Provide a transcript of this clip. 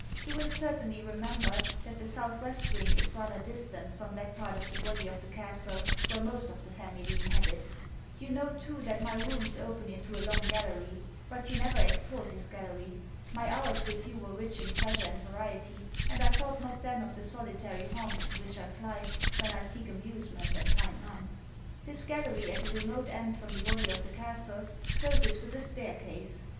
You will certainly remember, that the south west wing is rather distant from that part of the body of the castle where most of the family inhabit. You know too that my rooms open into a long gallery; but you never explored this gallery. My hours with you were rich in pleasure and variety; and I thought not then of the solitary haunts to which I fly, when I seek amusement and find none. This gallery, at the remote end from the body of the castle, closes with a stair case.